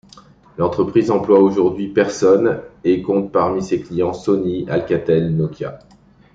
L'entreprise emploie aujourd'hui personnes et compte parmi ses clients Sony, Alcatel, Nokia…